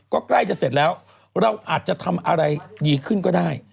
ก็ใกล้จะเสร็จแล้วเราอาจจะทำอะไรดีขึ้นก็ได้